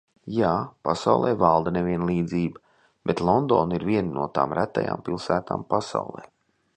Jā, pasaulē valda nevienlīdzība, bet Londona ir viena no tām retajām pilsētām pasaulē.